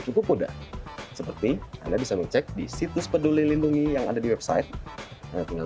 cukup mudah seperti anda bisa mengecek di situs peduli lindungi yang ada di website tinggal